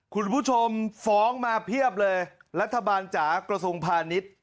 คุณผู้ชมฟ้องมาเพียบเลยรัฐบาลจ๋ากระทรวงพาณิชย์